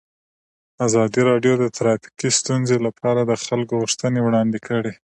ازادي راډیو د ټرافیکي ستونزې لپاره د خلکو غوښتنې وړاندې کړي.